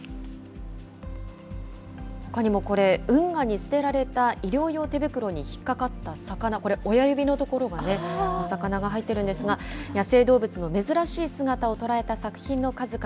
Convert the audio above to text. ほかにもこれ、運河に捨てられた医療用手袋に引っ掛かった魚、これ親指の所がお魚が入ってるんですが、野生動物の珍しい姿を捉えた作品の数々。